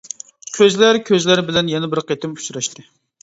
كۆزلەر كۆزلەر بىلەن يەنە بىر قېتىم ئۇچراشتى.